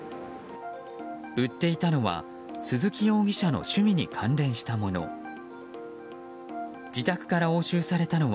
売っていたのは鈴木容疑者の趣味に関連したもの。